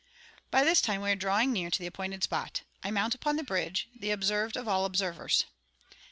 By this time we are drawing near to the appointed spot. I mount upon the bridge, the observed of all observers.